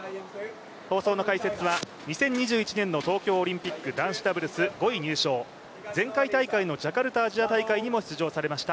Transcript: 放送の解説は２０２１年の東京オリンピック男子ダブルス５位入賞前回大会のジャカルタアジア大会にも出場されました